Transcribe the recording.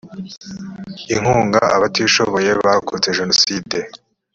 inkunga abatishoboye barokotse jenoside